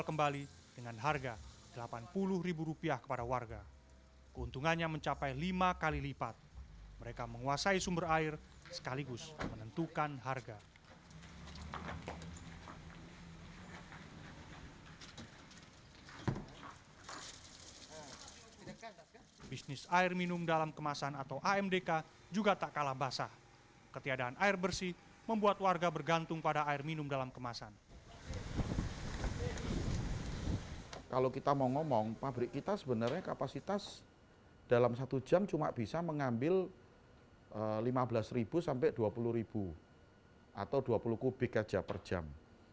kualitas dalam satu jam cuma bisa mengambil lima belas sampai dua puluh atau dua puluh kubik saja per jam